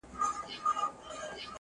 د دې بې دردو په ټاټوبي کي بازار نه لري!